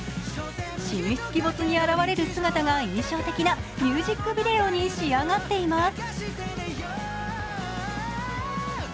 神出鬼没に現れる姿が印象的なミュージックビデオに仕上がっています。